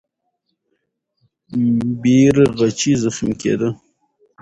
بیرغچی زخمي کېده.